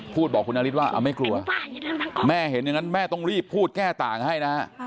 พูดบอกคุณนาริสว่าไม่กลัวแม่เห็นอย่างนั้นแม่ต้องรีบพูดแก้ต่างให้นะฮะ